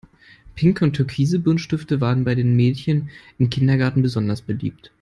Pinke und türkise Buntstifte waren bei den Mädchen im Kindergarten besonders beliebt.